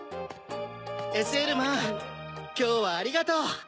ＳＬマンきょうはありがとう。